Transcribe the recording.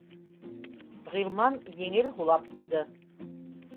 Ғилман еңел һулап ҡуйҙы